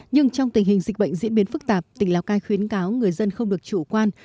nhưng trong tình hình dịch bệnh diễn biến phức tạp tỉnh lào cai khuyến cáo người dân không được chủ quan